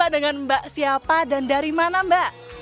dengan mba siapa dan dari mana mba